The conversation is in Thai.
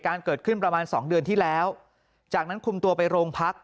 เกิดขึ้นประมาณสองเดือนที่แล้วจากนั้นคุมตัวไปโรงพัก